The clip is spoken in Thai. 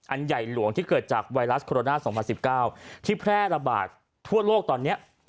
อันใหญ่หลวงที่เกิดจากไวรัสโคโรนาสองพันสิบเก้าที่แพร่ระบาดทั่วโลกตอนเนี้ย